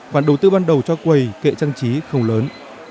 và đầu tư ban đầu cho quầy kệ trang trí không lớn